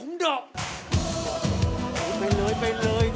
นี่นี่ไปเลย